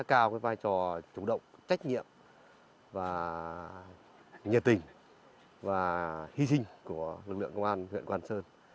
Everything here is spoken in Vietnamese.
cho chủ động trách nhiệm và nhiệt tình và hy sinh của lực lượng công an huyện quang sơn